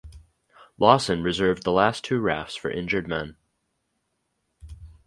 Lawson reserved the last two rafts for injured men.